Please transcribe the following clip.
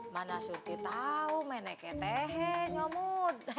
mana surti tau meneket nyomud